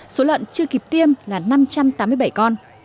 số lợn chưa kịp tiêm là năm trăm tám mươi bảy con